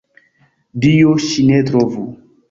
Dio, ŝi ne trovu!